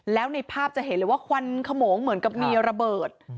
แล้วในภาพจะเห็นเลยว่าควันขโมงเหมือนกับมีระเบิด